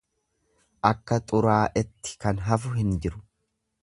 Akka xuraa'etti kan hafu hin jiru.